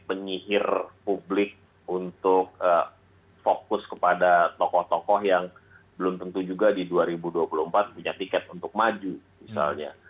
penyihir publik untuk fokus kepada tokoh tokoh yang belum tentu juga di dua ribu dua puluh empat punya tiket untuk maju misalnya